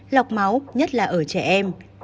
lọc máu nhất là ở trẻ em